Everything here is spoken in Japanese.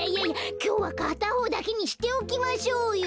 きょうはかたほうだけにしておきましょうよ。